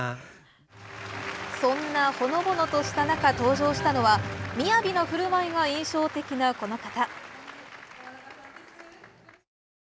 そんなほのぼのとした中登場したのは雅な振る舞いが印象的なこの方。